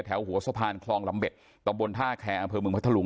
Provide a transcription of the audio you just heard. หัวสะพานคลองลำเบ็ดตำบลท่าแคร์อำเภอเมืองพัทธลุง